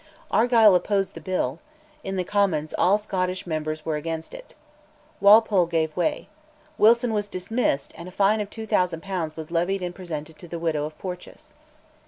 Argyll opposed the Bill; in the Commons all Scottish members were against it; Walpole gave way. Wilson was dismissed, and a fine of 2000 pounds was levied and presented to the widow of Porteous.